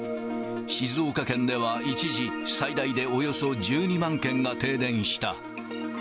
静岡県では一時、最大でおよそ１２万軒が停電した。